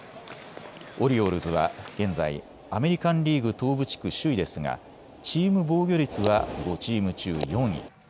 オリオールズは現在、アメリカンリーグ東部地区首位ですがチーム防御率は５チーム中４位。